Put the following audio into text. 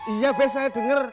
iya be saya denger